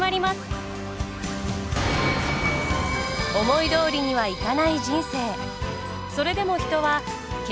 思いどおりにはいかない人生。